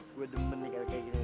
gue demen nih kayak gini